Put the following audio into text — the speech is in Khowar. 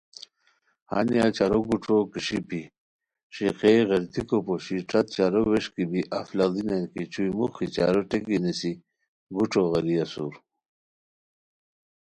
ہانیہ چارو گوݯوکیݰیپی ݰیقئے غیردیکو پوشی ݯت چارو ویݰکی بی اف لاڑینیان کی چھوئی موخی چارو ٹیکی نیسی گوݯو غیری اسور